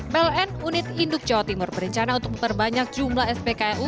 pln unit induk jawa timur berencana untuk memperbanyak jumlah spklu